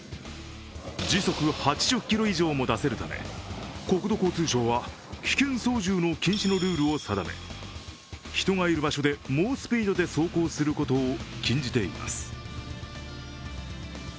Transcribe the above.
時速８０キロ以上も出せるため国土交通省は危険操縦の禁止のルールを定め、人がいる場所で猛スピードで走行することを禁じています。